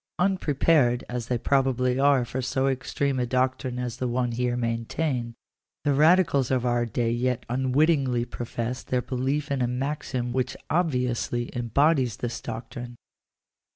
Unpre pared as they probably are for so extreme a doctrine as the one here maintained, the radicals of our day yet unwittingly profess their belief in a maxim which obviously embodies this doctrine.